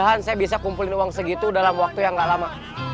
lahan saya bisa kumpulin uang segitu dalam waktu yang gak lama